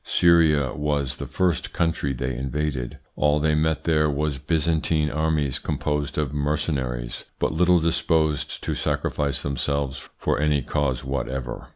Syria was the first country they invaded. All they met there was Byzantine armies composed of mercenaries, but little disposed to sacrifice themselves for any cause whatever.